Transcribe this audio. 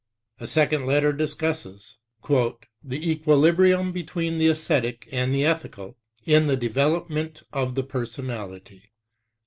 A second letter discusses "the equilibrium between the esthetic and the ethical in the development of the personality."